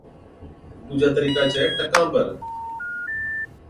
ڏوجا طريقا ڇَي ٽڪان پر